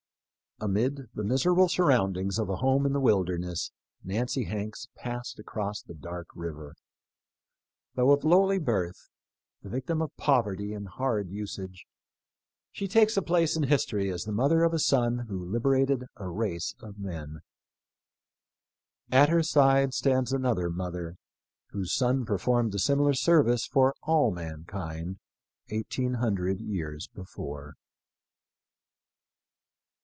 Amid the misera ble surroundings of a home in the wilderness Nancy Hanks passed across the dark river. Though of 28 THE LIFE OF LINCOLN. lowly birth, the victim of poverty and hard usage, she takes a place in history as the mother of a son who liberated a race of men. At her side stands another Mother whose son performed a similar ser vice for all mankind eighteen hundred years before.